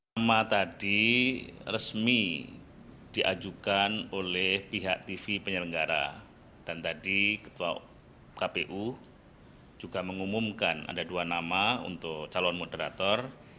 nama tadi resmi diajukan oleh pihak tv penyelenggara dan tadi ketua kpu juga mengumumkan ada dua nama untuk calon moderator